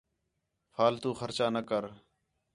فِالتو خرچہ نہ کر